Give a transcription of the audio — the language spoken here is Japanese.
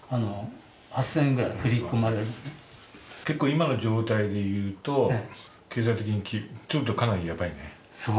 今の状態で言うと、経済的にちょっとかなりやばいね。